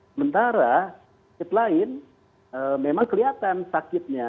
sementara sakit lain memang kelihatan sakitnya